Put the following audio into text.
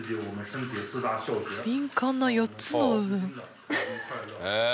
敏感な４つの部分。